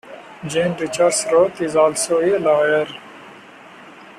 Jane Richards Roth is also a lawyer.